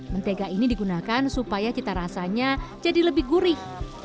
mentega ini digunakan supaya cita rasanya jadi lebih gurih